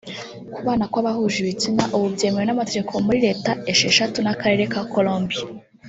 Kubana kw’abahuje ibitsina ubu byemewe n’amategeko muri Leta esheshatu n’Akarere ka Columbia